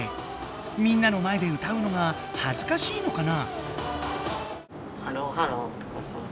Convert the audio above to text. みんなの前で歌うのがはずかしいのかな？